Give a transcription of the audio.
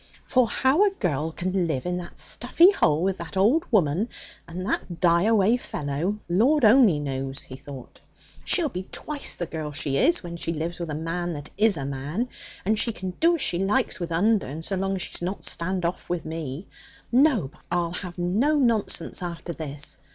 'For how a girl can live in that stuffy hole with that old woman and that die away fellow, Lord only knows!' he thought. 'She'll be twice the girl she is when she lives with a man that is a man, and she can do as she likes with Undern so long as she's not stand off with me. No, by ! I'll have no nonsense after this!